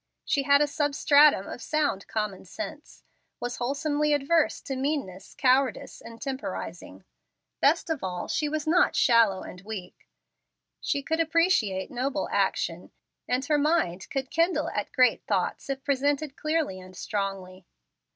She had a substratum of sound common sense; was wholesomely averse to meanness, cowardice, and temporizing; best of all, she was not shallow and weak. She could appreciate noble action, and her mind could kindle at great thoughts if presented clearly and strongly.